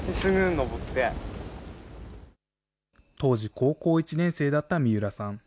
高校１年生だった三浦さん。